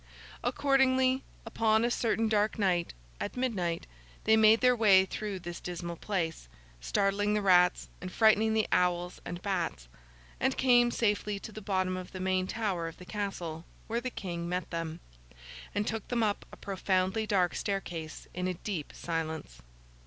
Accordingly, upon a certain dark night, at midnight, they made their way through this dismal place: startling the rats, and frightening the owls and bats: and came safely to the bottom of the main tower of the Castle, where the King met them, and took them up a profoundly dark staircase in a deep silence.